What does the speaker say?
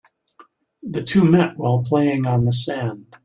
The two met while playing on the sand.